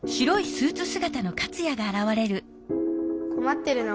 こまってるの？